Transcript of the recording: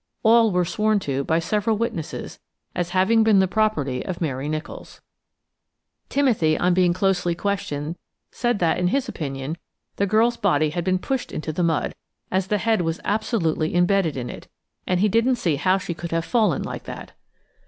All were sworn to by several witnesses as having been the property of Mary Nicholls. Timothy, on being closely questioned, said that, in his opinion, the girl's body had been pushed into the mud, as the head was absolutely embedded in it, and he didn't see how she could have fallen like that.